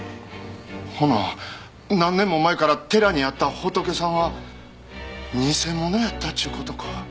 ほな何年も前から寺にあった仏さんは偽物やったちゅう事か？